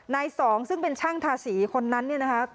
สองซึ่งเป็นช่างทาสีคนนั้นเนี่ยนะคะ